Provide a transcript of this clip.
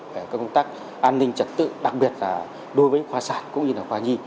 về công tác an ninh trật tự đặc biệt là đối với khoa sản cũng như là khoa nhi